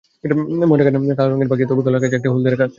ময়না কালো রঙের পাখি, তবে গলার কাছে একটি হলদে রেখা আছে।